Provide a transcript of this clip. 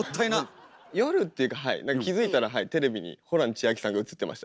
夜っていうかはい何か気付いたらはいテレビにホラン千秋さんが映ってましたね。